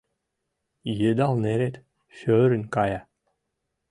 Йыдал нерет шӧрын кая.